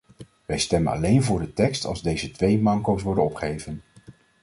Wij stemmen alleen voor de tekst als deze twee manco's worden opgeheven.